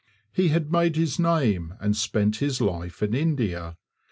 He had made his name and spent his life in India.